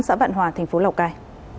xã vạn hòa tp lào cai